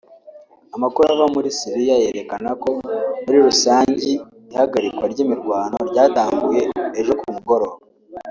Amakuru ava muri Syria yerekana ko muri rusangi ihagarikwa ry'imirwano ryatanguye ejo ku mugoroba